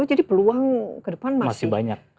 jadi peluang ke depan masih banyak